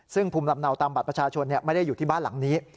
ซึ่งภูมิลำเนาตามบัตรประชาชนไม่ได้อยู่ที่บ้านหลังนี้